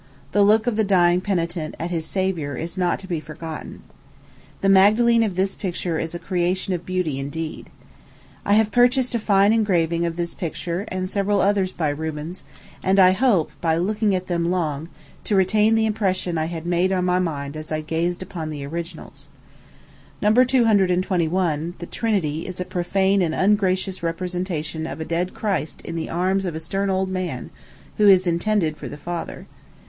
The look of the dying penitent at his Savior is not to be forgotten. The Magdalene of this picture is a creation of beauty indeed. I have purchased a fine engraving of this picture, and several others by Rubens, and I hope, by looking at them long, to retain the impression I had made on my mind as I gazed upon the originals. No. 221 the Trinity is a profane and ungracious representation of a Dead Christ in the arms of a stern old man, who is intended for the Father.